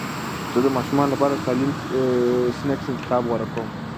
زه د ماشومانو لپاره د سالم سنکس انتخاب غوره کوم.